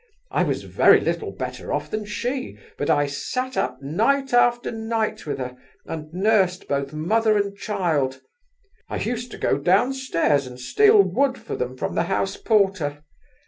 I was very little better off than she, but I sat up night after night with her, and nursed both mother and child; I used to go downstairs and steal wood for them from the house porter.